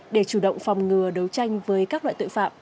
để chủ động phòng ngừa đấu tranh với các loại tội phạm